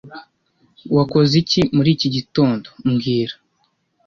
Wakoze iki muri iki gitondo mbwira